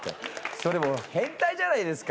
それもう変態じゃないですか。